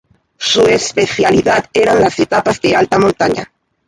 Su especialidad eran las etapas de alta montaña.